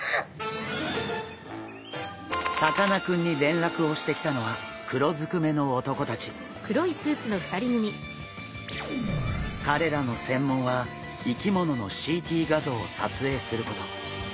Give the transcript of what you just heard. さかなクンに連絡をしてきたのはかれらの専門は生き物のＣＴ画像を撮影すること。